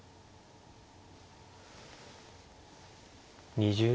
２０秒。